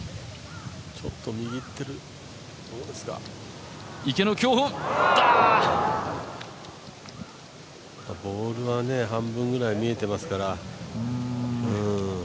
ちょっと右行ってるボールは半分ぐらい見えてますから。